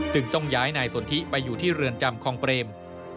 ต้องย้ายนายสนทิไปอยู่ที่เรือนจำคลองเปรม